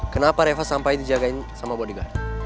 kenapa reva sampai dijagain sama bodyguard